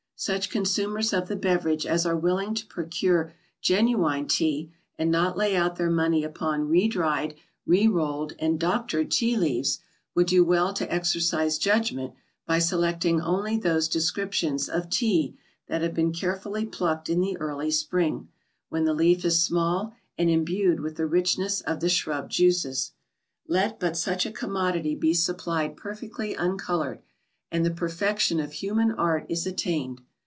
Such consumers of the beverage as are willing to procure genuine Tea, and not lay out their money upon redried, rerolled, and "doctored" Tea leaves, would do well to exercise judgment by selecting only those descriptions of Tea that have been carefully plucked in the early spring, when the leaf is small and imbued with the richness of the shrub juices. Let but such a commodity be supplied perfectly uncoloured, and the perfection of human art is attained.